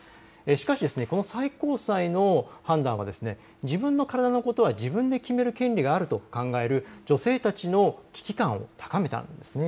しかし最高裁の判断は、自分の体のことは自分で決める権利があると考える女性たちの危機感を高めたんです。